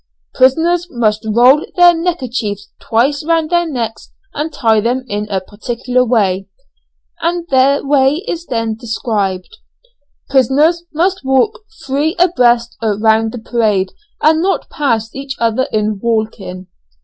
"Prisoners must roll their neckerchiefs twice round their necks and tie them in a particular way," and the way is then described. "Prisoners must walk three abreast round the parade, and not pass each other in walking."